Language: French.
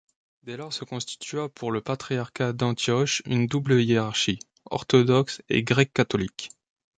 Dès lors se constitua pour le patriarcat d'Antioche une double hiérarchie, orthodoxe et grecque-catholique.